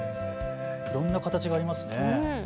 いろんな形がありますね。